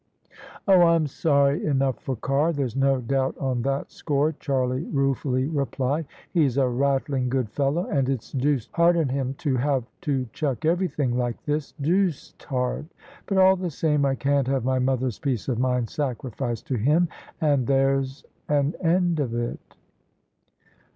"Oh! Tm sorry enough for Carr; there's no doubt on that score," Charlie ruefully replied :" he's a rattling good fellow, and it's deuced hard on him to have to chuck every thing like this — deuced hard! But all the same I can't have my mother's peace of mind sacrificed to him, and there's an end of it."